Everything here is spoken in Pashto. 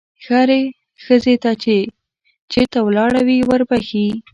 هرې ښځې ته چې چېرته ولاړه وي وربښې.